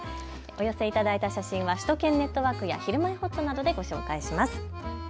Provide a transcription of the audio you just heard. お寄せていただいた写真は首都圏ネットワークやひるまえほっとなどでご紹介します。